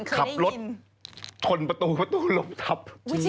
ขับรถทนประตูลบทับ